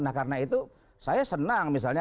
nah karena itu saya senang misalnya